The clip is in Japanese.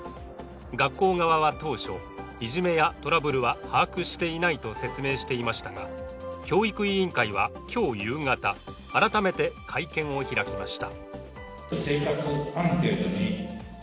学校側は当初、いじめやトラブルは把握していないと説明していましたが教育委員会は今日、夕方改めて、会見を開きました。